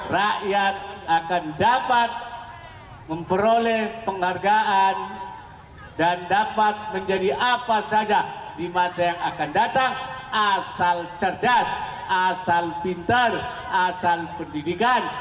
rakyat akan dapat memperoleh penghargaan dan dapat menjadi apa saja di masa yang akan datang asal cerdas asal pintar asal pendidikan